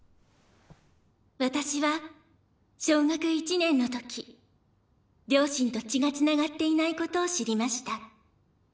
私は小学１年の時両親と血がつながっていないことを知りました。